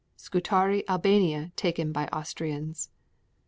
Scutari, Albania, taken by Austrians.